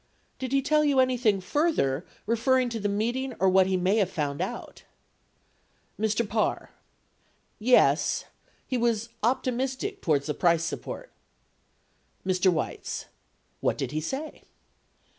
Did he tell you anything further referring to the meeting or what he may have found out ? Mr. Parr. Yes. ... He was optimistic towards the price support. Mr. Weitz. What did he say